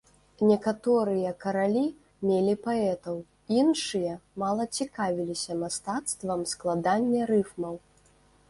Некаторыя каралі мелі паэтаў, іншыя мала цікавіліся мастацтвам складання рыфмаў.